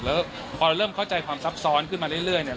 แล้วพอเริ่มเข้าใจความซับซ้อนขึ้นมาเรื่อยเนี่ย